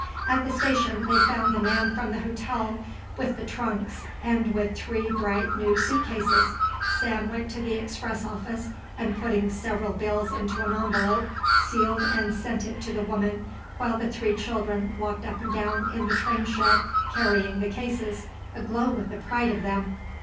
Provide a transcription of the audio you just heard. At the station they found the man from the hotel with the trunks and with three bright new suit cases. Sam went to the express office and putting several bills into an envelope sealed and sent it to the woman while the three children walked up and down in the train shed carrying the cases, aglow with the pride of them.